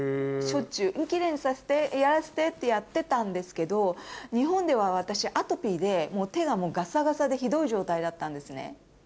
しょっちゅう。ってやってたんですけど日本では私アトピーで手がガサガサでひどい状態だったんですね。